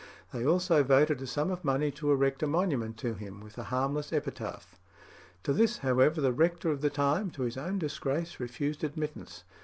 They also voted a sum of money to erect a monument to him with a harmless epitaph; to this, however, the rector of the time, to his own disgrace, refused admittance.